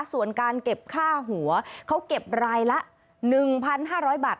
ส่วนการเก็บค่าหัวเขาเก็บรายละ๑๕๐๐บาท